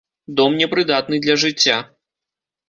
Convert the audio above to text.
Дом непрыдатны для жыцця.